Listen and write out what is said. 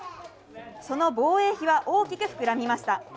その防衛費は大きく膨らみました。